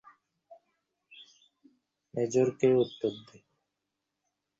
Major কে উত্তর দে।